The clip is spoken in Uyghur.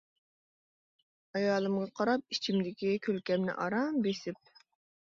ئايالىمغا قاراپ ئىچىمدىكى كۈلكەمنى ئاران بېسىپ.